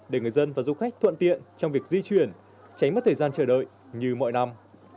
để người dân và du khách thuận tiện trong việc di chuyển tránh mất thời gian chờ đợi như mọi năm